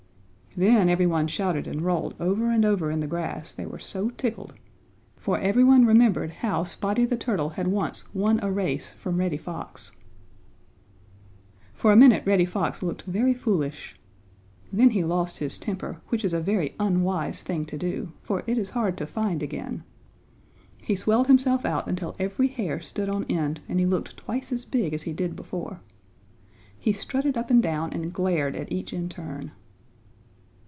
Then everyone shouted and rolled over and over in the grass, they were so tickled, for every one remembered how Spotty the Turtle had once won a race from Reddy Fox. For a minute Reddy Fox looked very foolish. Then he lost his temper, which is a very unwise thing to do, for it is hard to find again. He swelled himself out until every hair stood on end and he looked twice as big as he did before. He strutted up and down and glared at each in turn.